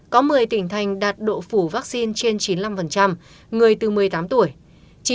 có một mươi tỉnh thành đạt độ phủ vaccine trên chín mươi năm người từ một mươi tám tuổi